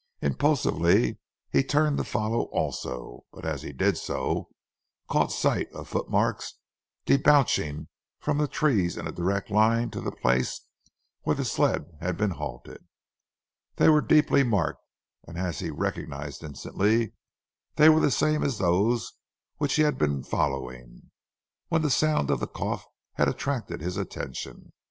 Impulsively, he turned to follow also, but as he did so, caught sight of footmarks debouching from the trees in a direct line to the place where the sled had been halted. They were deeply marked, and as he recognized instantly were the same as those which he had been following, when the sound of the cough had attracted his attention.